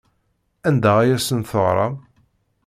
Anda ay asen-teɣram?